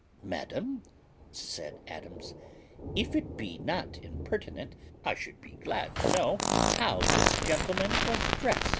"Madam," said Adams, "if it be not impertinent, I should be glad to know how this gentleman was drest."